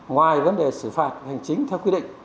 ngoài vấn đề xử phạt hành chính theo quy định